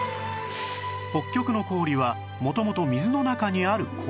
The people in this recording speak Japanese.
北極の氷は元々水の中にある氷